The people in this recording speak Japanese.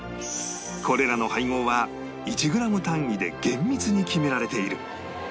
これらの配合は１グラム単位で厳密に決められている